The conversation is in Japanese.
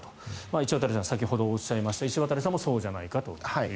石渡さん、先ほどおっしゃった石渡さんもそうじゃないかと。